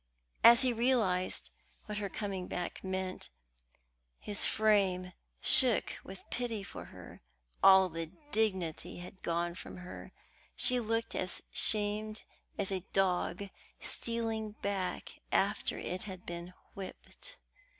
As he realized what her coming back meant, his frame shook with pity for her. All the dignity had gone from her. She looked as shamed as a dog stealing back after it had been whipped.